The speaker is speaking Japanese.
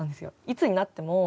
いつになっても。